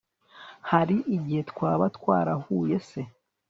hari igihe twaba twarahuye se